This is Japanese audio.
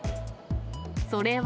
それは。